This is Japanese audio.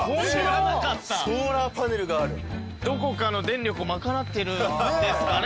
どこかの電力を賄ってるんですかね